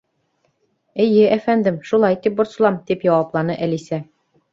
—Эйе, әфәндем, шулай тип борсолам, —тип яуапланы Әлисә.